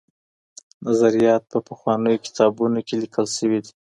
نظریات په پخوانیو کتابونو کي لیکل سوي دي.